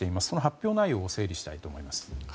その発表内容を整理したいと思います。